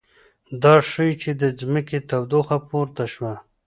دا ښيي چې د ځمکې تودوخه پورته شوه